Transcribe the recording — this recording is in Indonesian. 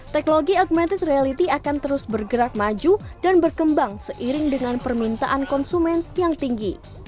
teknologi augmented reality akan terus bergerak maju dan berkembang seiring dengan permintaan konsumen yang tinggi